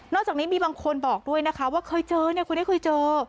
จากนี้มีบางคนบอกด้วยนะคะว่าเคยเจอเนี่ยคนนี้เคยเจอ